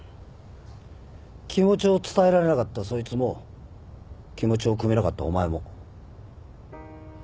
気持ちを伝えられなかったそいつも気持ちをくめなかったお前も。